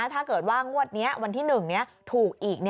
ถ้าเกิดว่างวดนี้วันที่๑ถูกอีก